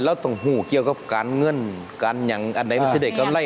แล้วต้องก้าวเกี่ยวกับการเงื่อนการอย่างอันใดมันใช่ได้การไล่